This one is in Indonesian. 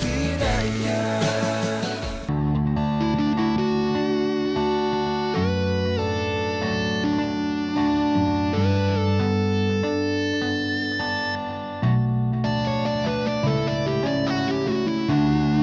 selamat menemani belajar ya